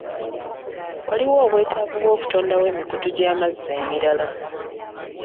Waliwo obwetaavu bw'okutondawo emikutu gy'amazzi emirala.